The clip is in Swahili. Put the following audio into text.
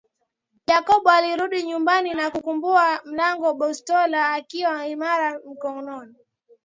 Jacob alirudi nyuma na kukumba mlango bastola ikiwa imara mkononi